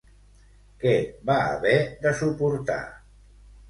Què va haver de suportar?